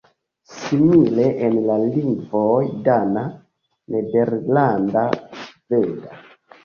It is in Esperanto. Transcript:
Simile en la lingvoj dana, nederlanda, sveda.